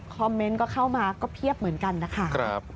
คอมเมนต์ก็เข้ามาก็เพียบเหมือนกันนะคะ